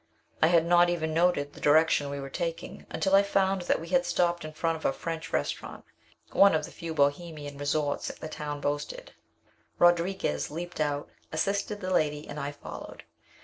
I had not even noted the direction we were taking, until I found that we had stopped in front of a French restaurant, one of the few Bohemian resorts the town boasted. Rodriguez leaped out, assisted the lady, and I followed.